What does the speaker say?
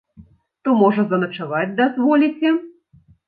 То, можа, заначаваць дазволіце?